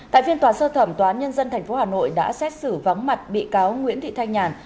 tại phiên tòa sơ thẩm tòa án nhân dân tp hà nội đã xét xử vắng mặt bị cáo nguyễn thị thanh nhàn